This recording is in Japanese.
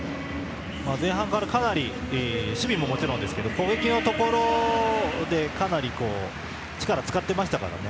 前半からかなり守備ももちろんですけど攻撃のところでかなり力を使っていましたからね。